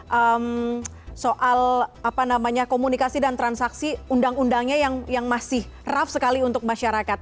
berarti ya sistem ini kemudian soal komunikasi dan transaksi undang undangnya yang masih rough sekali untuk masyarakat